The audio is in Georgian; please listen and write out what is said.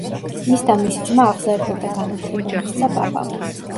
ის და მისი ძმა აღზარდა და განათლება მისცა პაპამ.